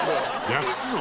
略すの！？